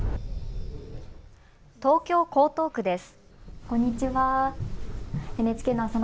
東京江東区です。